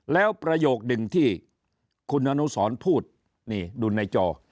แล้วประโยคหนึ่งที่คุณอนุสรพูดนี่ดูในจอ